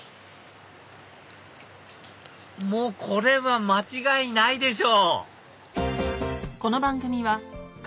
もうこれは間違いないでしょ！